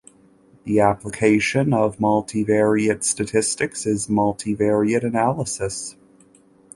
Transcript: The application of multivariate statistics is multivariate analysis.